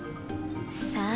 さあ？